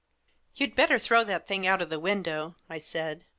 " You'd better throw that thing out of the window," I said.